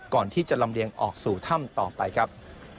ก่อนที่จะลำเลียงออกสู่ถ้ำต่อไปครับ